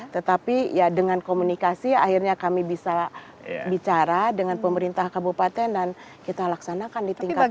tetapi ya dengan komunikasi akhirnya kami bisa bicara dengan pemerintah kabupaten dan kita laksanakan di tingkat desa